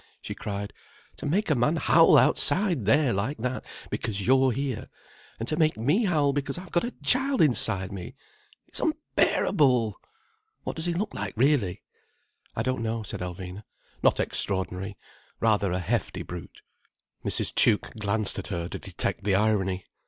she cried. "To make a man howl outside there like that, because you're here. And to make me howl because I've got a child inside me. It's unbearable! What does he look like, really?" "I don't know," said Alvina. "Not extraordinary. Rather a hefty brute—" Mrs. Tuke glanced at her, to detect the irony.